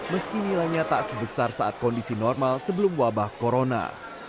meski nilainya tak sebesar saat kondisi normal sebelum wabah corona